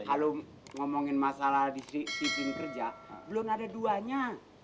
kalau ngomongin masalah di sidik kerja belum ada duanya